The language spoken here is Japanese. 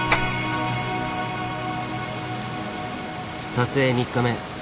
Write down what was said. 撮影３日目。